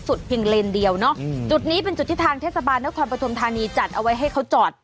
เพียงเลนเดียวเนอะจุดนี้เป็นจุดที่ทางเทศบาลนครปฐมธานีจัดเอาไว้ให้เขาจอด